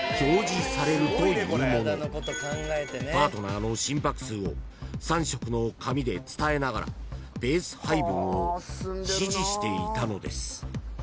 ［パートナーの心拍数を３色の紙で伝えながらペース配分を指示していたのです］